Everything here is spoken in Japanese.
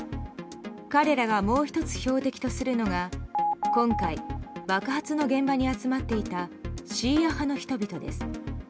彼らがもう１つ標的とするのが今回、爆発の現場に集まっていたシーア派の人々です。